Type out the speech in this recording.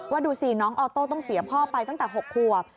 ดูสิน้องออโต้ต้องเสียพ่อไปตั้งแต่๖ขวบ